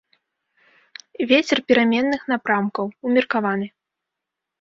Вецер пераменных напрамкаў, умеркаваны.